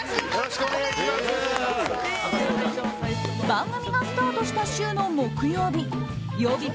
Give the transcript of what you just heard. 番組がスタートした週の木曜日曜日